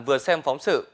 vừa xem phóng sự